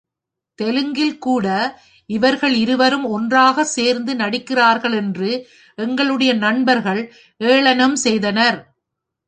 தெலுங்கில்கூட இவர்களிரு வரும் ஒன்றாய்ச் சேர்ந்து நடிக்கிறார்கள் என்று எங்களுடைய நண்பர்கள் ஏளனம் செய்தனர்.